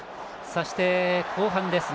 そして、後半です。